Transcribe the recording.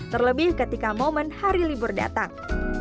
terlebih ketika momen hari libur datang